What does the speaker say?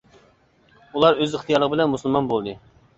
ئۇلار ئۆز ئىختىيارلىقى بىلەن مۇسۇلمان بولدى.